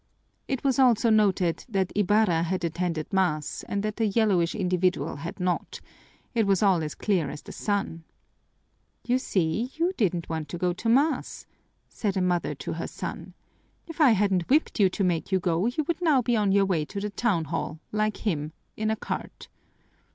It was also noted that Ibarra had attended mass and that the yellowish individual had not it was all as clear as the sun! "You see! You didn't want to go to mass!" said a mother to her son. "If I hadn't whipped you to make you go you would now be on your way to the town hall, like him, in a cart!"